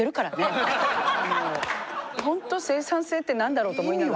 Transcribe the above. ほんと生産性って何だろうと思いながら。